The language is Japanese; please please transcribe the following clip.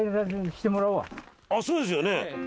そうですよね！